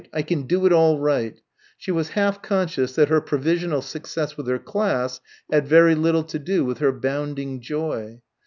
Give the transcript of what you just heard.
I can do it all right," she was half conscious that her provisional success with her class had very little to do with her bounding joy.